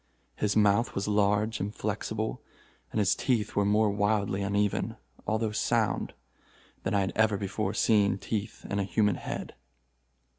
His mouth was large and flexible, and his teeth were more wildly uneven, although sound, than I had ever before seen teeth in a human head.